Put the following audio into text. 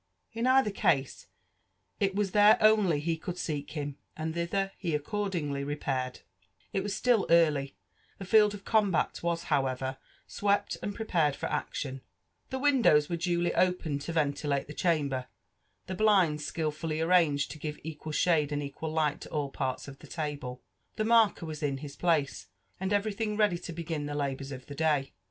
In either case^ it Wts thm ohiy to could seek him, and ihilher he accordingly repaired; •^ tt was Mill early; the field of combat was howefer swept and pre pared for action, ^hi) i^indows were duly opened to ventilate tine ehambtfr, the blinds skilGully arranged to give equal shade and equal light to ail parts of the table, Ihe marker was in his place, and etery«» thihg r^ady to begin the labours of the day.